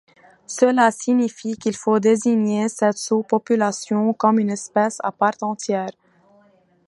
Cela signifie qu'il faut désigner cette sous-population comme une espèce à part entière.